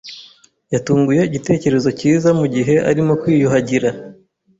Yatunguye igitekerezo cyiza mugihe arimo kwiyuhagira.